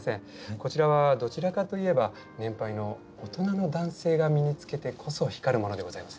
こちらはどちらかといえば年配の大人の男性が身につけてこそ光るものでございます。